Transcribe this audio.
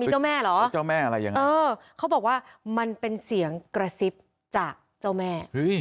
มีเจ้าแม่เหรอเออเขาบอกว่ามันเป็นเสียงกระสิบจากเจ้าแม่เห้ย